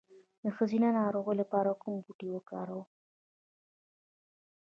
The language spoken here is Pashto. د ښځینه ناروغیو لپاره کوم بوټی وکاروم؟